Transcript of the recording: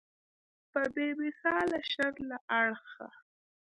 په بې مثاله شر له اړخه.